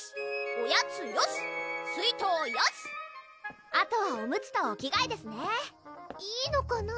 おやつよし水筒よしあとはおむつとお着替えですねいいのかな？